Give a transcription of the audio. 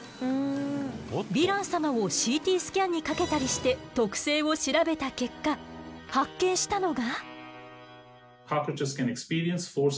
ヴィラン様をＣＴスキャンにかけたりして特性を調べた結果発見したのが。